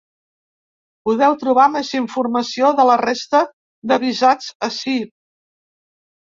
Podeu trobar més informació de la resta de visats ací.